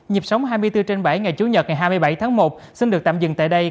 nhịp sống hai mươi bốn trên bảy ngày chủ nhật ngày hai mươi bảy tháng một xin được tạm dừng tại đây